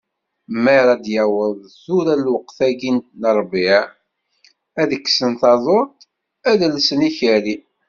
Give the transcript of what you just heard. Mi ara d-yaweḍ tura lweqt-ayi n rrbiɛ, ad d-kksen taḍuṭ, ad d-llsen ikerri.